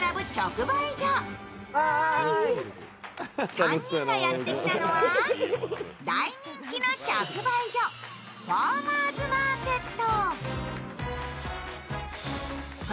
３人がやってきたのは大人気の直売所、ファーマーズマーケット。